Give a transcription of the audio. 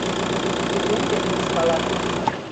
Тӱжем ден вискалат